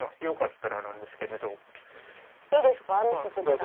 よかったらなんですけれど。